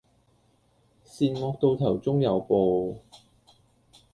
善惡到頭終有報